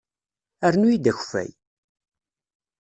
Rnu-iyi-d akeffay!